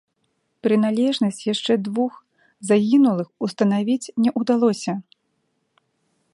Прыналежнасць яшчэ двух загінулых устанавіць не ўдалося.